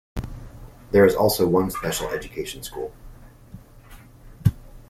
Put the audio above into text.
There is also one special education school.